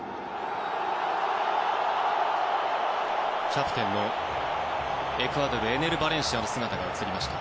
キャプテンのエクアドルエネル・バレンシアの姿が映りました。